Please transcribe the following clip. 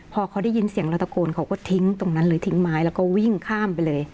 พอเขาได้ยินเสียงเราตะโกนเขาก็ทิ้งตรงนั้นเลยทิ้งไม้แล้วก็วิ่งข้ามไปเลย